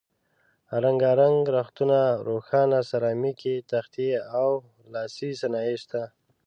رنګ رنګ رختونه، روښانه سرامیکي تختې او لاسي صنایع شته.